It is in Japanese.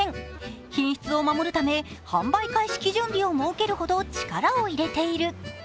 品質を守るため、販売開始基準日を設けるほど力を入れている。